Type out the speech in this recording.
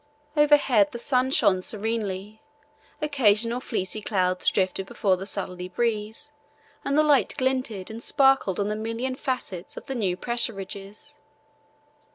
Overhead the sun shone serenely; occasional fleecy clouds drifted before the southerly breeze, and the light glinted and sparkled on the million facets of the new pressure ridges.